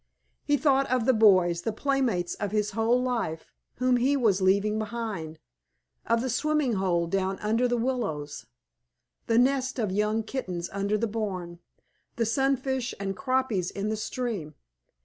He thought of the boys, the playmates of his whole life, whom he was leaving behind; of the swimming hole down under the willows; the nest of young kittens under the barn; the sunfish and croppies in the stream.